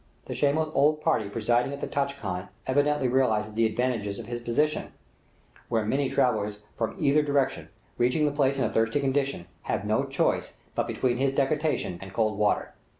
The shameless old party presiding at the tchai khan evidently realizes the advantages of his position, where many travellers from either direction, reaching the place in a thirsty condition, have no choice but between his decoction and cold water.